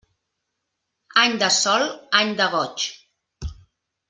Any de sol, any de goig.